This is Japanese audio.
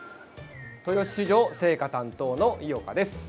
豊洲市場青果担当の井岡です。